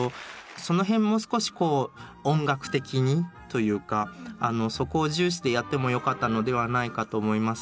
その辺もう少しこう音楽的にというかそこを重視してやってもよかったのではないかと思いますね。